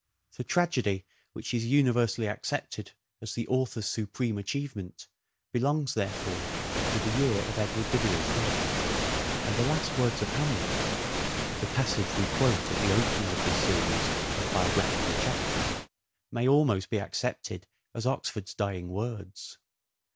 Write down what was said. The tragedy which is universally accepted as the author's supreme achievement belongs, therefore, to the year of Edward de Vere's death ; and the last words of Hamlet — the passage we quote at the opening of this series of biographical chapters — may almost be accepted as Oxford's dying words.